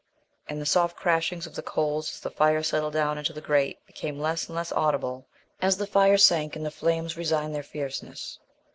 And the soft crashings of the coals as the fire settled down into the grate became less and less audible as the fire sank and the flames resigned their fierceness.